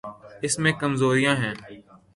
اس میں کمزوریاں ہیں۔